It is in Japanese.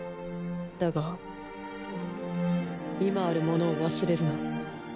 だが今あるものを忘れるな。